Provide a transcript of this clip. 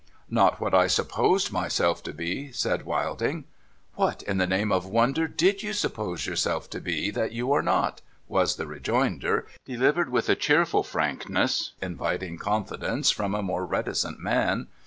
' Not what I supposed myself to be,' said Wilding. ' What, in the name of wonder, did you suppose yourself to be that you are not ?' was the rejoinder, delivered with a cheerful frankness, inviting confidence from a more reticent man.